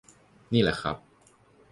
นี่แหละครับ